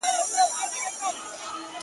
پر ملا کړوپ عمر خوړلی!.